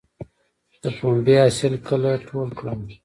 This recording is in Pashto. د پنبې حاصل کله ټول کړم؟